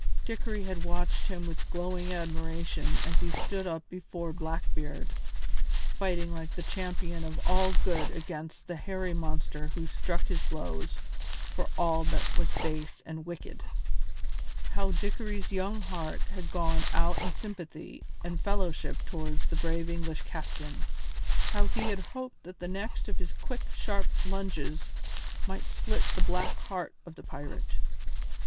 Dickory had watched him with glowing admiration as he stood up before Blackbeard, fighting like the champion of all good against the hairy monster who struck his blows for all that was base and wicked. How Dickory's young heart had gone out in sympathy and fellowship towards the brave English captain! How he had hoped that the next of his quick, sharp lunges might slit the black heart of the pirate!